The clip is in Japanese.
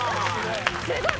すごい！